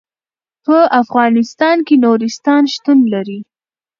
په افغانستان کې نورستان شتون لري.